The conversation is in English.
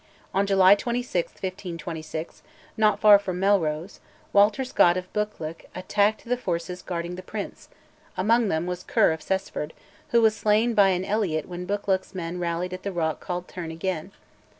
On July 26, 1526, not far from Melrose, Walter Scott of Buccleuch attacked the forces guarding the prince; among them was Ker of Cessford, who was slain by an Elliot when Buccleuch's men rallied at the rock called "Turn Again."